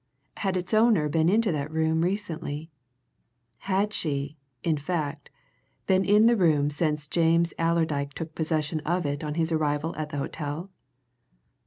Had its owner been into that room recently? Had she, in fact, been in the room since James Allerdyke took possession of it on his arrival at the hotel?